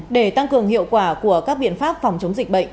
để tăng cường hiệu quả của các biện pháp phòng chống dịch bệnh